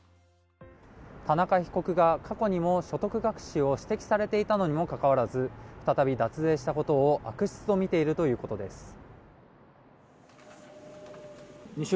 田中被告が過去にも所得隠しを指摘されていたにもかかわらず再び脱税したことを悪質とみているということです。